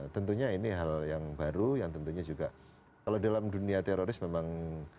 tentunya ini hal yang baru yang tentunya juga kalau dalam dunia teroris memang